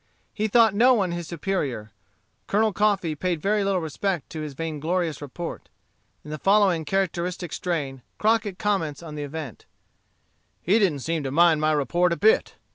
He thought no one his superior. Colonel Coffee paid very little respect to his vainglorious report. In the following characteristic strain Crockett comments on the event: "He didn't seem to mind my report a bit.